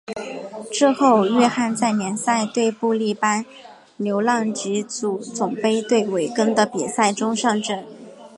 之后域汉在联赛对布力般流浪及足总杯对韦根的比赛中上阵。